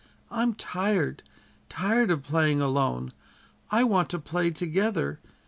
I'm tired tired of playing alone. I want to play together.